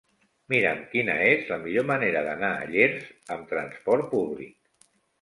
Mira'm quina és la millor manera d'anar a Llers amb trasport públic.